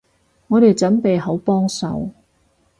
我哋準備好幫手